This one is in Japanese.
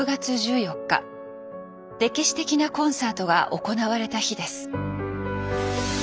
歴史的なコンサートが行われた日です。